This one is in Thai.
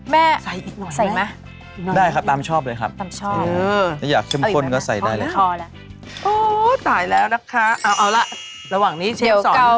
แม่ใส่อีกหน่อยไหมพี่ใส่อีกหน่อย